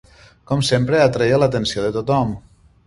Com sempre, atreia l'atenció de tothom.